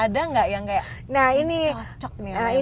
ada gak yang kayak cocok nih